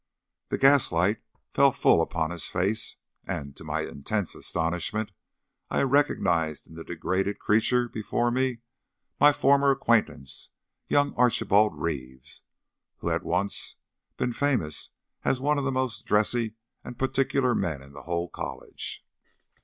The gaslight fell full upon his face, and, to my intense astonishment, I recognised in the degraded creature before me my former acquaintance, young Archibald Reeves, who had once been famous as one of the most dressy and particular men in the whole college.